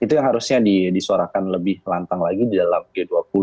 itu yang harusnya disuarakan lebih lantang lagi di dalam g dua puluh